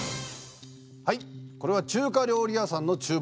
はいこれは中華料理屋さんの厨房です。